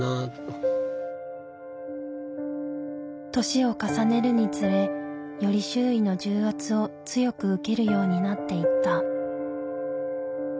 年を重ねるにつれより周囲の重圧を強く受けるようになっていった。